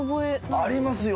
ありますよ。